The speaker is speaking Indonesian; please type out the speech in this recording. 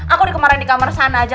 aku dikemarin di kamar sana aja